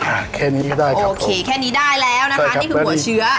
อ่าแค่นี้ก็ได้ครับผมโอเคแค่นี้ได้แล้วนะคะใช่ครับนี่คือหัวเชื้อ